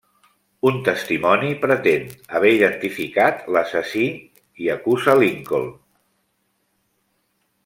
Un testimoni pretén haver identificat l'assassí i acusa Lincoln.